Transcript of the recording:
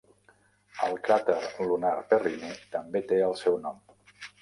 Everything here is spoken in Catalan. El cràter lunar Perrine també té el seu nom.